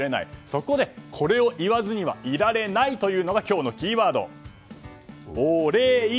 そこで、これを言わずにはいられないというのが今日のキーワード、オレイ。